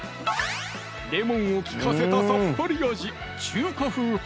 レモンを利かせたさっぱり味